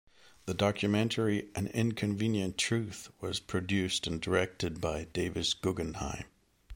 The documentary, "An Inconvenient Truth", was produced and directed by Davis Guggenheim.